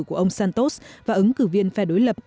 của ông santos và ứng cử viên phe đối lập